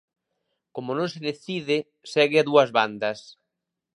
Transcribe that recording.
Como non se decide, segue a dúas bandas.